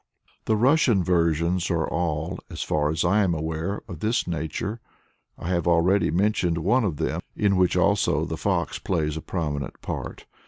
The Russian versions are all, as far as I am aware, of this nature. I have already mentioned one of them, in which, also, the Fox plays a prominent part.